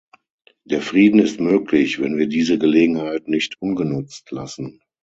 Der Frieden ist möglich, wenn wir diese Gelegenheit nicht ungenutzt lassen.